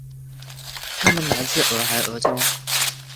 他们来自俄亥俄州。